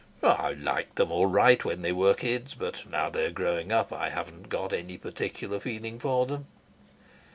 "I liked them all right when they were kids, but now they're growing up I haven't got any particular feeling for them."